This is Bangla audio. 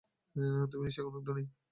তুমি নিশ্চয়ই অনেক ধনী।